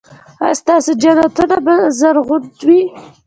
ایا ستاسو جنتونه به زرغون وي؟